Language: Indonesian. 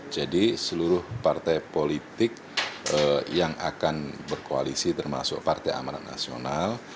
jadi seluruh partai politik yang akan berkoalisi termasuk partai amaran nasional